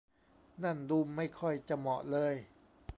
นั่นดูไม่ค่อยจะเหมาะเลย